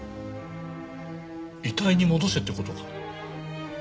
遺体に戻せって事か。